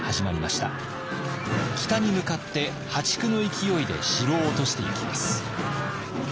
北に向かって破竹の勢いで城を落としていきます。